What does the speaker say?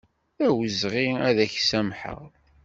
D awezɣi ad ak-samḥeɣ.